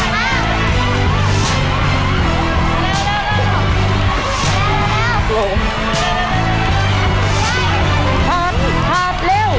เร็วเร็วเร็วพัดพัดเร็ว